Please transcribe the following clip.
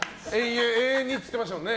永遠にって言ってましたもんね。